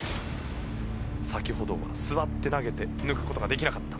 先ほどは座って投げて射抜く事ができなかった。